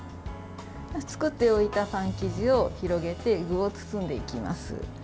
作っておいたパン生地を広げて具を包んでいきます。